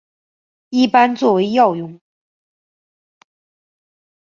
一般作为药用。